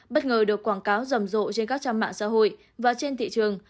bất ngờ được quảng cáo rầm rộ trên các trang mạng xã hội và trên thị trường